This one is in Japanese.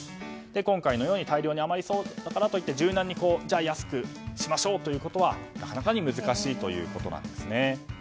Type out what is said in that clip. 今回のように大量に余りそうだからといって柔軟に安くしましょうというのはなかなか難しいということですね。